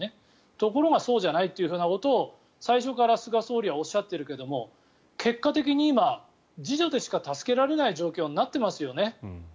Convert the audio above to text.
ところがそうじゃないということを最初から菅総理はおっしゃっているけれど結果的に今自助でしか助けられない状況になってますよね。